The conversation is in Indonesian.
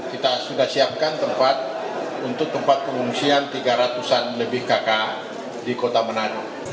kita sudah siapkan tempat untuk tempat pengungsian tiga ratus an lebih kakak di kota manado